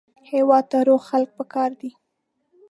هېواد ته روغ خلک پکار دي